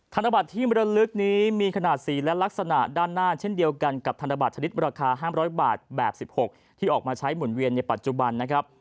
ธนบัตรที่มรลึกนี้มีขนาดสีและลักษณะด้านหน้าเช่นเดียวกันกับธนบัตรชนิดราคา๕๐๐บาทแบบ๑๖ที่ออกมาใช้หมุนเวียนในปัจจุบันนะครับ